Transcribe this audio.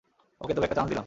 ওকে, তোকে একটা চান্স দিলাম।